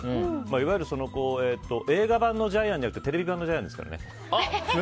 いわゆる映画版のジャイアンじゃなくてテレビ版のジャイアンですからね。